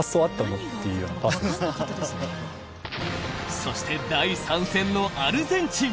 そして第３戦のアルゼンチン。